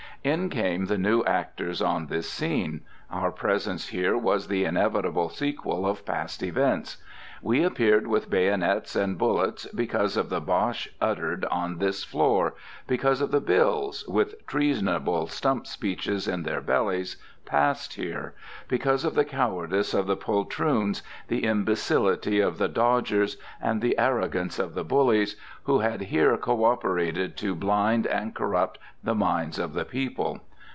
In came the new actors on this scene. Our presence here was the inevitable sequel of past events. We appeared with bayonets and bullets because of the bosh uttered on this floor; because of the bills with treasonable stump speeches in their bellies passed here; because of the cowardice of the poltroons, the imbecility of the dodgers, and the arrogance of the bullies, who had here cooperated to blind and corrupt the minds of the people.